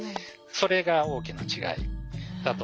それが大きな違いだと思いますね。